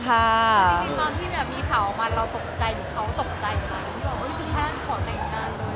คือจริงตอนที่มีข่าวออกมาเราตกใจอยู่เขาตกใจอยู่